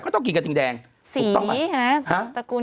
ก็ต้องกินกระทิงแดงถูกต้องไหม